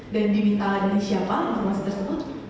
dan diminta dari siapa informasi tersebut